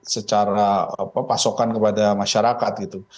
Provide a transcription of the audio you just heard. secara pasokan kepada masyarakat gitu